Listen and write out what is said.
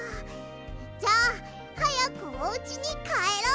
じゃあはやくおうちにかえろう！